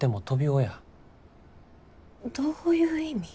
どういう意味？